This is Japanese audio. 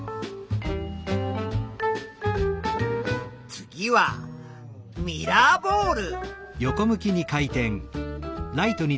次はミラーボール。